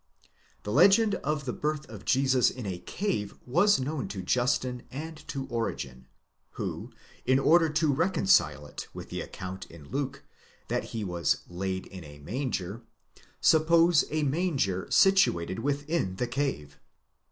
* The legend of the birth of Jesus in a cave was known to Justin * and to Origen,® who, in order to reconcile it with the account in Luke that he was laid in a manger, suppose a manger situated within the cave.